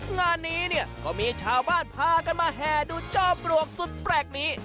งานนี้เนี่ยก็มีชาวบ้านพากันมาแห่ดูจอมปลวกสุดแปลกนี้